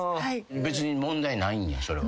別に問題ないんやそれは。